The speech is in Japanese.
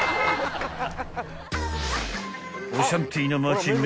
［オシャンティーな街］